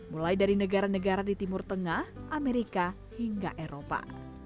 mulai dari negara negara di timur tengah amerika hingga eropa